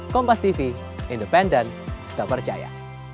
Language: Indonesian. kompastv independen tak percaya